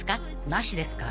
なしですか？］